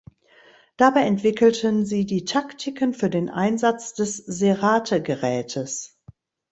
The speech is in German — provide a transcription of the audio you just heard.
Dabei entwickelten sie die Taktiken für den Einsatz des Serrate-Gerätes.